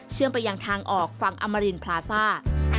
ไปยังทางออกฝั่งอมรินพลาซ่า